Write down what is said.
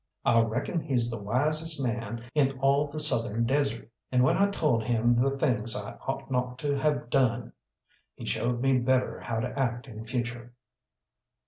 I reckon he's the wisest man in all the southern desert, and when I told him the things I ought not to have done, he showed me better how to act in future.